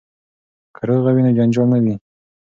که روغه وي نو جنجال نه وي.